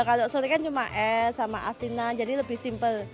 kalau sore kan cuma es sama asinan jadi lebih simpel